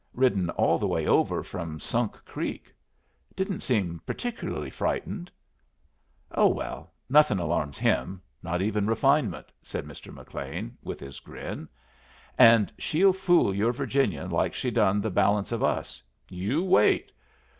Ridden all the way over from Sunk Creek. Didn't seem particularly frightened." "Oh, well, nothin' alarms him not even refinement," said Mr. McLean, with his grin. "And she'll fool your Virginian like she done the balance of us. You wait.